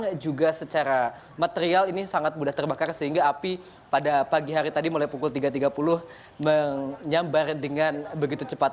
karena juga secara material ini sangat mudah terbakar sehingga api pada pagi hari tadi mulai pukul tiga tiga puluh menyambar dengan begitu cepat